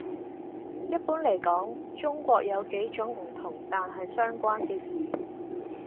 一般嚟講，「中國」有幾種唔同但係相關嘅意